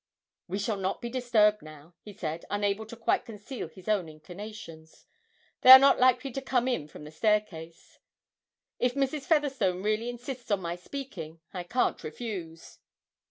'We shall not be disturbed now,' he said, unable to quite conceal his own inclinations: 'they are not likely to come in from the staircase. If Mrs. Featherstone really insists on my speaking, I can't refuse.'